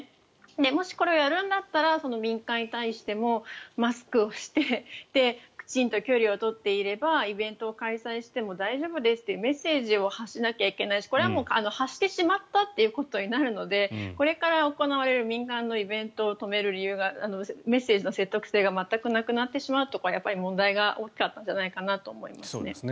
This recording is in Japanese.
もしこれをやるんだったら民間に対してもマスクをしてきちんと距離を取っていればイベントを開催しても大丈夫ですというメッセージを発しなきゃいけないしこれは発してしまったということになるのでこれから行われる民間のイベントを止めるメッセージの説得性が全くなくなってしまうと問題が大きかったんじゃないかと思いますね。